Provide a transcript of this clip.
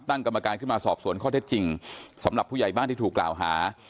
กรรมการขึ้นมาสอบสวนข้อเท็จจริงสำหรับผู้ใหญ่บ้านที่ถูกกล่าวหา